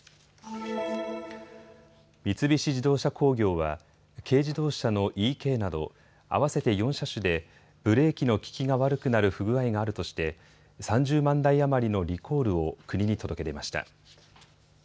三菱自動車工業は軽自動車のｅＫなど合わせて４車種でブレーキの利きが悪くなる不具合があるとして３０万台余りのリコールを国に届け出ました。